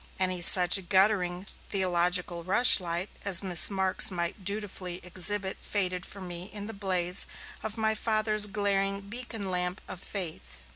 Any such guttering theological rushlight as Miss Marks might dutifully exhibit faded for me in the blaze of my Father's glaring beacon lamp of faith.